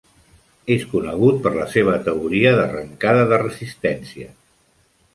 És conegut per la seva teoria d'arrencada de resistència.